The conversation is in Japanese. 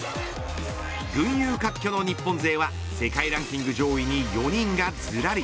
群雄割拠の日本勢は世界ランキング上位に４人がずらり。